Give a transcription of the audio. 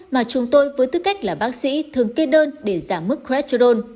mà chúng tôi với tư cách là bác sĩ thường kê đơn để giảm mức credrone